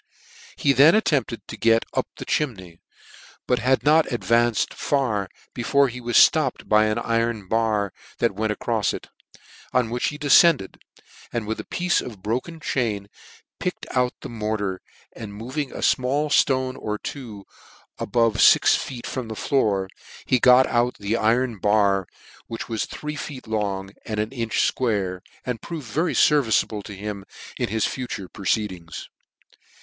He then attempted to get up the chimney ; but had not advanced far before he was flopped by an iron bar that went acrofs ic ; on which he deicend ed, and with a piece of his broken chain picked out the mortar, and moving a fmall ftone or two, about fix foot from the floor, he got out the iron bar, which was three feet long and an inch fquare and proved very ferviceable to him in his future proceedings.